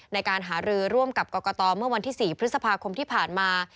ในการหารือร่วมกับกรกตเมื่อวันที่๔พฤษภาคมที่ผ่านมา